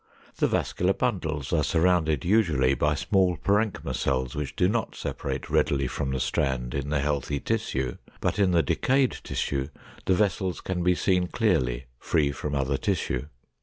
The vascular bundles are surrounded usually by small parenchyma cells which do not separate readily from the strand in the healthy tissue, but in the decayed tissue the vessels can be seen clearly, free from other tissue.